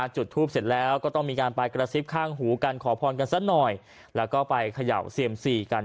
จุดทูปเสร็จแล้วก็ต้องมีการไปกระซิบข้างหูกันขอพรกันสักหน่อยแล้วก็ไปเขย่าเซียมซีกัน